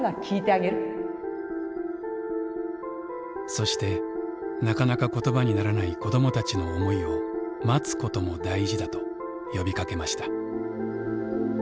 そしてなかなか言葉にならない子どもたちの思いを待つことも大事だと呼びかけました。